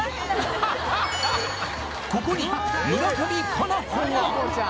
ここに村上佳菜子が！